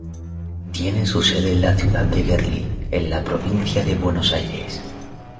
Tiene su sede en la ciudad de Gerli en la provincia de Buenos Aires.